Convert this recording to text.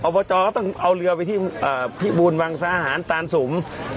บจก็ต้องเอาเรือไปที่พิบูรณวังสาหารตานสุม